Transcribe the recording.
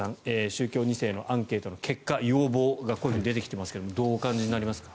宗教２世のアンケートの結果、要望が出てきていますがどうお感じになりますか。